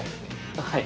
はい。